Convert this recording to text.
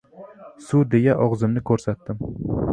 Suv, deya og‘zimni ko‘rsatdim.